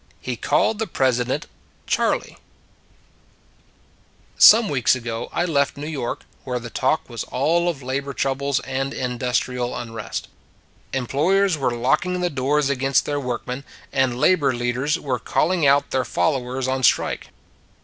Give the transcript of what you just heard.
HE CALLED THE PRESIDENT " CHARLEY " SOME weeks ago I left New York, where the talk was all of labor troubles and industrial unrest. Employ ers were locking the doors against their workmen; and labor leaders were calling out their followers on strike.